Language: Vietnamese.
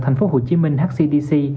thành phố hồ chí minh hcdc